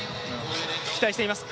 期待しています。